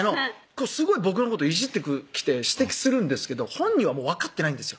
すごい僕のこといじってきて指摘するんですけど本人は分かってないんですよ